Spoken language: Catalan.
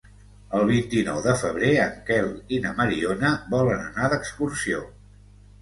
El vint-i-nou de febrer en Quel i na Mariona volen anar d'excursió.